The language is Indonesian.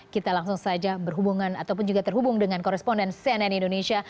kita langsung saja berhubungan ataupun juga terhubung dengan koresponden cnn indonesia